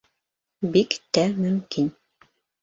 Бик тә мөмкин.